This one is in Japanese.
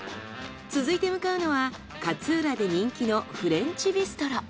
続いて向かうのは勝浦で人気のフレンチビストロ。